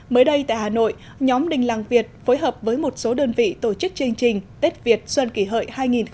mới đây tại hà nội nhóm đình làng việt phối hợp với một số đơn vị tổ chức chương trình tết việt xuân kỷ hợi hai nghìn một mươi chín